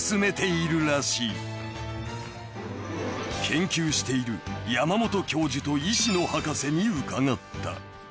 ［研究している山本教授と石野博士に伺った］